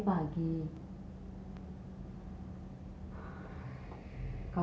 maksudnya lahir astaga